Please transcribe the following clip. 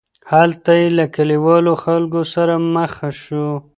هلته یې له کلیوالو خلکو سره مخ شو.